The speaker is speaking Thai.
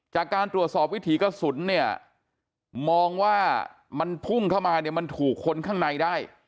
จากการตรวจสอบวิถีกระสุนเนี่ยมองว่ามันพุ่งเข้ามาเนี่ยมันถูกคนข้างในได้